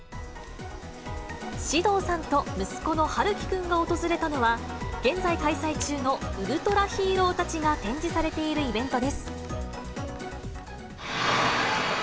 獅童さんと息子の陽喜くんが訪れたのは、現在開催中のウルトラヒーローたちが展示されているイベントです。